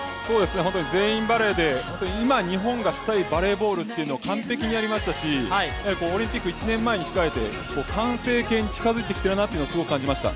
本当に全員バレーで今、日本がしたいバレーボールを完璧にやりましたしオリンピックを１年前に控えて完成形に近づいてきてるなということをすごく感じました。